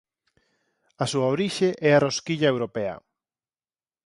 A súa orixe é a rosquilla europea.